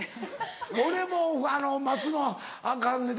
俺も待つのアカンねん。